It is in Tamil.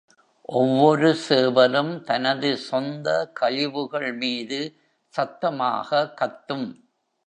ஒவ்வொரு சேவலும் தனது சொந்த கழிவுகள் மீது சத்தமாக கத்தும்.